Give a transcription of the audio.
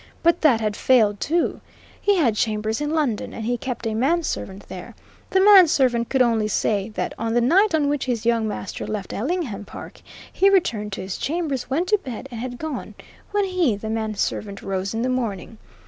But that had failed too. He had chambers in London, and he kept a manservant there; the manservant could only say that on the night on which his young master left Ellingham Park he returned to his chambers, went to bed and had gone when he, the manservant, rose in the morning.